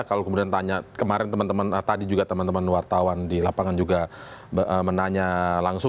kalau kemudian tanya kemarin teman teman tadi juga teman teman wartawan di lapangan juga menanya langsung